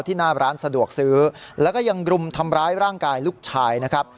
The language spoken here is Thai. หน้าร้านสะดวกซื้อแล้วก็ยังรุมทำร้ายร่างกายลูกชายนะครับ